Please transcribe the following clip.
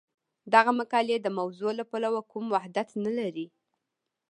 دغه مقالې د موضوع له پلوه کوم وحدت نه لري.